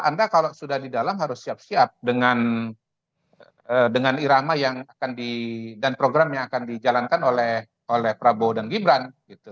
anda kalau sudah di dalam harus siap siap dengan irama dan program yang akan dijalankan oleh prabowo dan gibran